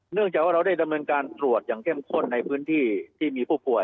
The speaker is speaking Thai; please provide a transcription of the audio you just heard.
จากว่าเราได้ดำเนินการตรวจอย่างเข้มข้นในพื้นที่ที่มีผู้ป่วย